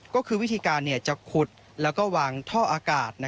ก็คือวิธีการจะขุดแล้วก็วางท่ออากาศ